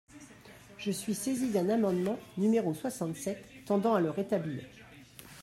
Je suis saisie d’un amendement, numéro soixante-sept, tendant à le rétablir.